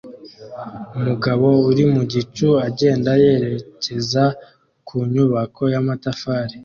Umugabo uri mu gicucu agenda yerekeza ku nyubako y'amatafari